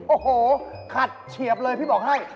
โอ้โหขัดเฉียบเลยพี่บอกให้